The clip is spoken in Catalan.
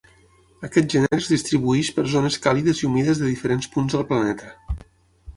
Aquest gènere es distribueix per zones càlides i humides de diferents punts del planeta.